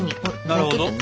なるほど。